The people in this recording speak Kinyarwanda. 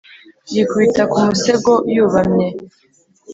yikubita ku musego yubamye